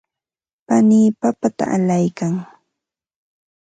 panii papata allaykan.